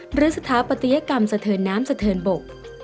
หรือสถาปัตติยกรรมเสทิญน้ำเสทิญบก